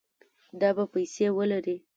دا به پیسې ولري